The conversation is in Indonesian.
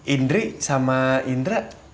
indri sama indra